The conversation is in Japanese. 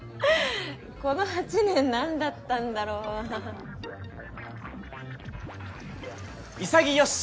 この８年何だったんだろう潔し！